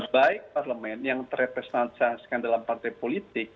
baik parlemen yang terrepresentasikan dalam partai politik